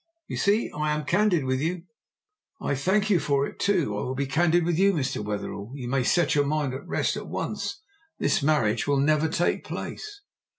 You see I am candid with you." "I thank you for it. I, too, will be candid with you. Mr. Wetherell, you may set your mind at rest at once, this marriage will never take place!"